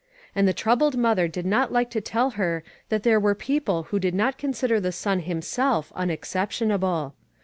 And the troubled mother did not like to tell her that there were people who did not consider the son himself unexceptionable.